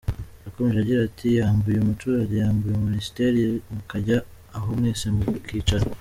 Yakomeje agira ati “Yambuye umuturage, yambuye minisiteri, mukajya aho mwese mukicara.